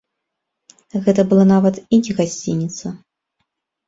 Гэта была нават і не гасцініца.